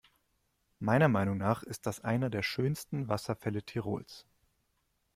Meiner Meinung nach ist das einer der schönsten Wasserfälle Tirols.